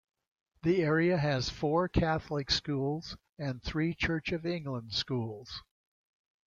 The area has four Catholic schools and three Church of England schools.